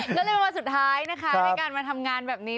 ก็เลยเป็นวันสุดท้ายนะคะในการมาทำงานแบบนี้